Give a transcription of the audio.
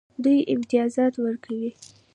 دوی امتیازات ورکوي.